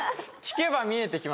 「聞けば、見えてくる。」